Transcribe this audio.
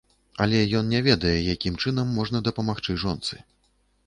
Але ён не ведае, якім чынам можна дапамагчы жонцы.